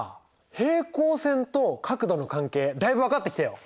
平行線と角度の関係だいぶ分かってきたよ。